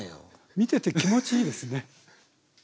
見てて気持ちいいですね。